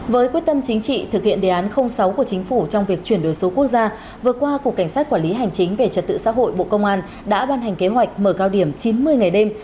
với quyết tâm chính trị thực hiện đề án sáu của chính phủ trong việc chuyển đổi số quốc gia vừa qua cục cảnh sát quản lý hành chính về trật tự xã hội bộ công an đã ban hành kế hoạch mở cao điểm chín mươi ngày đêm